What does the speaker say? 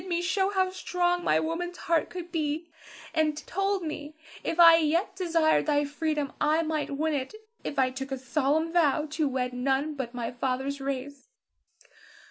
He bid me show how strong my woman's heart could be, and told me if I yet desired thy freedom, I might win it if I took a solemn vow to wed none but of my father's race.